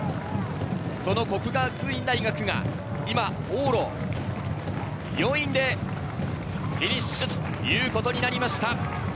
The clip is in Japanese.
その國學院大學が今、往路４位でフィニッシュということになりました。